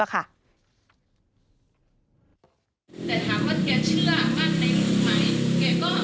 นี่ค่ะแล้วก็มีผู้ที่เห็นเหตุการณ์เขาก็เล่าให้ฟังเหมือนกันนะครับ